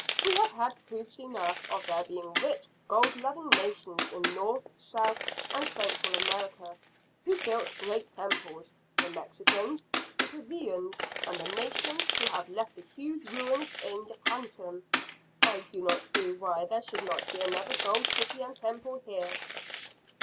We have had proofs enough of there being rich gold loving nations in North, South, and Central America who built great temples the Mexicans, the Peruvians, and the nations who have left the huge ruins in Yucatan. I do not see why there should not be another gold city and temple here."